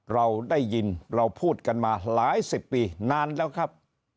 เราได้ยินเราพูดกันมาหลายสิบปีนานแล้วครับ